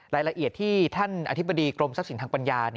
รายละเอียดที่ท่านอธิบดีกรมทรัพย์สินทางปัญญา